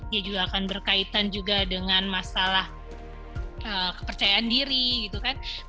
ya juga akan berkaitan juga dengan masalah kepercayaan diri gitu kan